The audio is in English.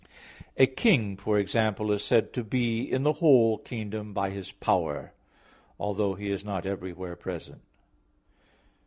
A king, for example, is said to be in the whole kingdom by his power, although he is not everywhere present.